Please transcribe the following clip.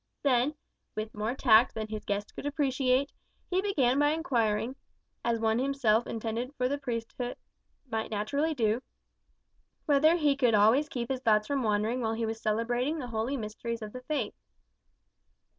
Then, with more tact than his guest could appreciate, he began by inquiring as one himself intended for the priesthood might naturally do whether he could always keep his thoughts from wandering while he was celebrating the holy mysteries of the faith.